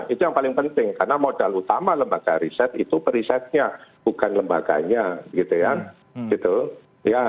itu yang paling penting karena modal utama lembaga riset itu perisetnya bukan lembaganya gitu ya